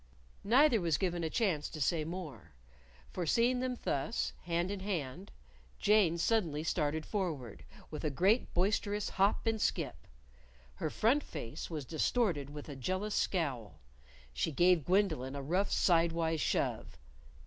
Neither was given a chance to say more. For seeing them thus, hand in hand, Jane suddenly started forward with a great boisterous hop and skip. Her front face was distorted with a jealous scowl. She gave Gwendolyn a rough sidewise shove.